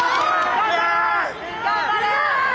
頑張れ！